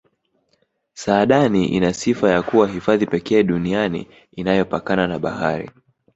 saadani ina sifa ya kuwa hifadhi pekee duniani inayopakana na bahari